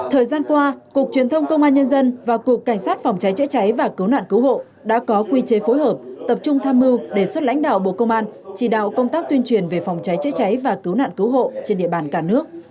thời gian qua cục truyền thông công an nhân dân và cục cảnh sát phòng cháy chữa cháy và cứu nạn cứu hộ đã có quy chế phối hợp tập trung tham mưu đề xuất lãnh đạo bộ công an chỉ đạo công tác tuyên truyền về phòng cháy chữa cháy và cứu nạn cứu hộ trên địa bàn cả nước